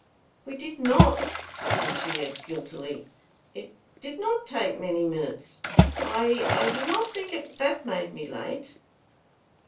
"We did not" said Lucia guiltily: "it did not take many minutes. I I do not think that made me late."